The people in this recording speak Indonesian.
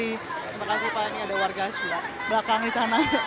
terima kasih pak ini ada warga asli pak bakang di sana